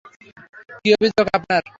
কী অভিযোগ আপনার?